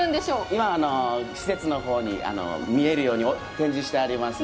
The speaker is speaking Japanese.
今、施設の方に見えるように展示してありますね。